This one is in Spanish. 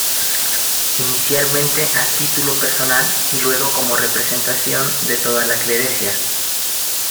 Inicialmente a título personal y luego como representación de toda la clerecía.